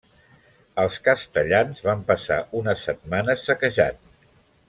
Els castellans van passar unes setmanes saquejant.